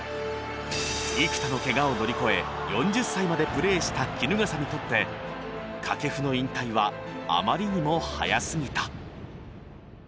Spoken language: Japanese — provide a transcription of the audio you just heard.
幾多のケガを乗り越え４０歳までプレーした衣笠にとって掛布の引退はあまりにも早すぎた。